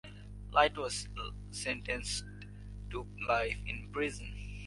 Light was sentenced to life in prison.